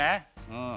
うん。